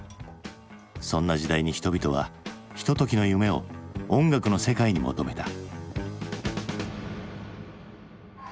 そんな時代に人々はひとときの夢を音楽の世界に求めた。